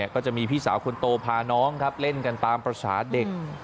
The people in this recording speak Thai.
ก็จะมีพี่สาวคนโตพาน้องเล่นกันตามภาษาเด็ก